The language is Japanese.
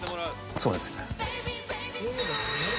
そうですね。